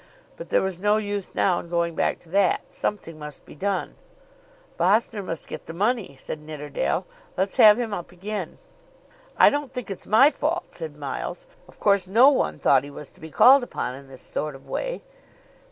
But there was no use now in going back to that. Something must be done. "Vossner must get the money," said Nidderdale. "Let's have him up again." "I don't think it's my fault," said Miles. "Of course no one thought he was to be called upon in this sort of way."